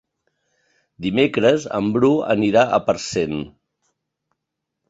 Dimecres en Bru anirà a Parcent.